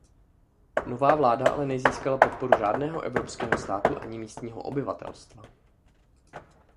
Nová vláda ale nezískala podporu žádného evropského státu ani místního obyvatelstva.